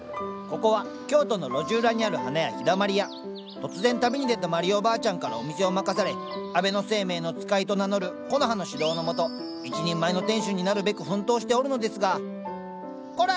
突然旅に出たまりおばあちゃんからお店を任され安倍晴明の使いと名乗るコノハの指導の下一人前の店主になるべく奮闘しておるのですがこら！